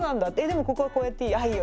でもここはこうやっていい？」